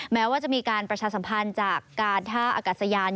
แม้ว่าจะมีการประชาสัมพันธ์จากการท่าอากาศยาน